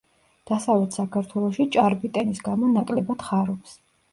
დასავლეთ საქართველოში ჭარბი ტენის გამო ნაკლებად ხარობს.